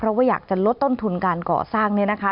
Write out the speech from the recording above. เพราะว่าอยากจะลดต้นทุนการก่อสร้างเนี่ยนะคะ